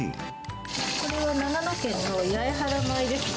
これは長野県の八重原米です。